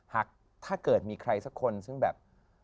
ถ้าเกิดมีใครสักคนซึ่งแบบ